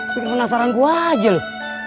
bikin penasaran gue aja loh